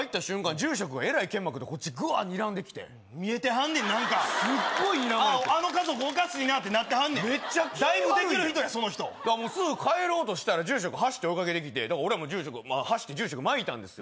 住職がえらいけんまくでこっちグワッにらんできて見えてはんねん何かすっごいにらまれてあああの家族おかしいなってなってはんねんメッチャ気悪いやんだいぶできる人やその人すぐ帰ろうとしたら住職走って追いかけてきてだから俺らも住職走って住職まいたんですよ